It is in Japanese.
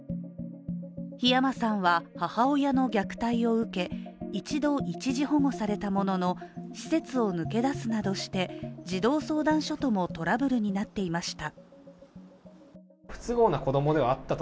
火山さんは母親の虐待を受け、一度一時保護されたものの施設を抜け出すなどして児童相談所ともトラブルになっていました。